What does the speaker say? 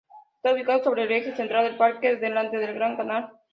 Está ubicado sobre el eje central del parque, delante del Gran Canal.